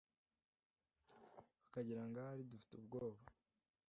Bakagirango ahari dufite ubwoba